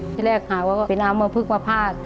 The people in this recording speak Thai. ที่แรกหาว่าก็เป็นอามเมอร์พึกมภาษณ์